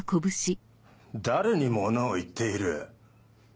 誰に物を言っている？